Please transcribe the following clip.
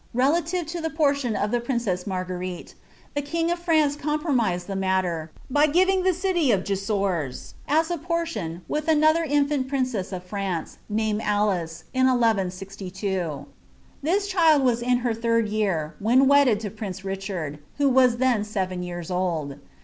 relaiire to the portion of the pcinceu Marguerite, the king of France voinprtMiiwd the matter, by givbg the city of Gisors, as s portion, with anutfaer infiuit princess of France, named Alice, in 1 163.' This child was in bet tliiri year when wedded to prince Richard, who wm then acveo years old.